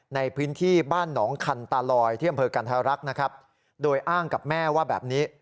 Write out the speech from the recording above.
ในพื้นที่บ้านหนองคันตาลอยที่อำเภอกันธรรักษ์นะครับโดยอ้างกับแม่ว่าแบบนี้